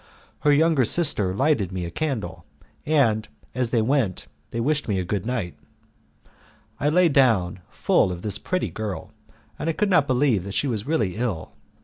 Her younger sister lighted me a candle, and as they went they wished me a good night. I lay down full of this pretty girl, and I could not believe that she was really ill.